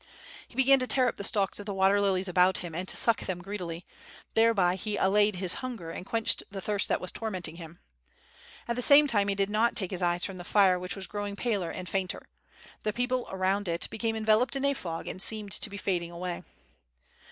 He began to tear up the stalks of the water lilies about him and to suck them greedily; 782 WITH FIRE AND SWORD. thereby he allayed his hunger and quenched the thirst that was tormenting him. At the same time he did not take hia eyes from the hre which was growing paler afld fainter. The people round it became enveloped in a fog and seemed to be fading away.